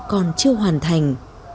còn chưa hoàn thành